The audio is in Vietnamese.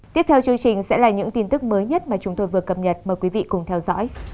tiếp theo chương trình sẽ là những tin tức mới nhất mà chúng tôi vừa cập nhật mời quý vị cùng theo dõi